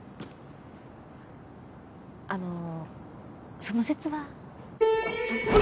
あのその節は。